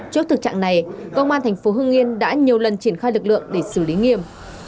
trước thực trạng này công an thành phố hưng yên đã nhiều lần triển khai lực lượng để xử lý nghiêm